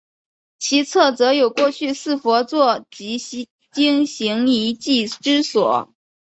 其侧则有过去四佛坐及经行遗迹之所。